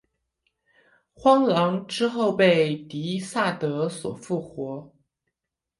荒狼之后被狄萨德所复活。